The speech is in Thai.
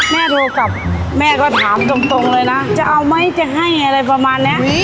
โทรกลับแม่ก็ถามตรงเลยนะจะเอาไหมจะให้อะไรประมาณนี้